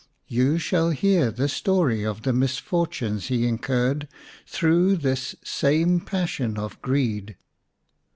You shall hear the story of the misfortunes he incurred through this same passion of greed.